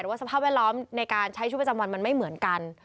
สภาพแวดล้อมในการใช้ชีวิตประจำวันมันไม่เหมือนกัน